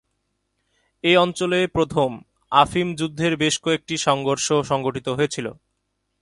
এই অঞ্চলে প্রথম আফিম যুদ্ধের বেশ কয়েকটি সংঘর্ষ সংঘটিত হয়েছিল।